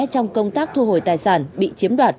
trong công tác thu hồi tài sản bị chiếm đoạt